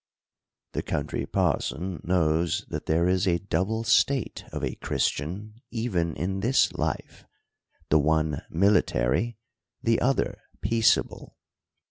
The Country Parson knows that there is a double state of a Christian even in this life ; the one miUtary, the other peaceable.